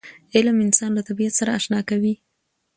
علم انسان له طبیعت سره اشنا کوي.